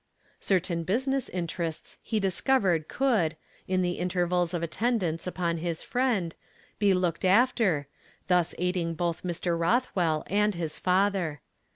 Certain business interests he discovered could, in the intervals of attendance upon his friend, be looked after, thus aiding both Mr. Rothweli und his father.